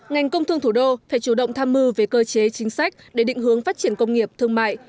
ngành công thương thủ đô phải chủ động tham mưu về cơ chế chính sách để định hướng phát triển công nghiệp thương mại